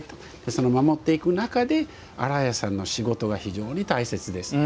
その守っていく中で洗い屋さんの仕事が非常に大切です。